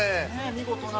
◆見事な。